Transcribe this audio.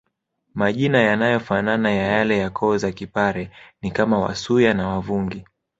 Majina yanayofanana ya yale ya koo za kipare ni kama Wasuya na Wavungi